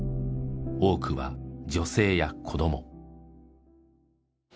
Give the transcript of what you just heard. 多くは女性や子ども。